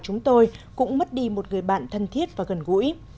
cũng mất đi một người bạn thân thiết và gần gũi